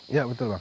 iya betul bang